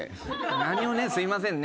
何をねすみませんね。